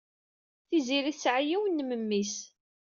Tiziri tesɛa yiwen n memmi-s.